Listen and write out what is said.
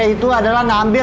itu adalah ngambil